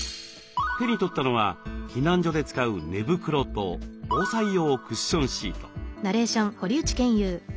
手に取ったのは避難所で使う寝袋と防災用クッションシート。